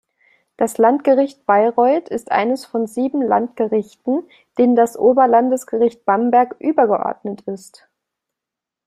Das Landgericht Bayreuth ist eines von sieben Landgerichten, denen das Oberlandesgericht Bamberg übergeordnet ist.